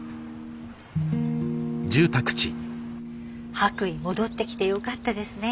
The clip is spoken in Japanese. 白衣戻ってきてよかったですね。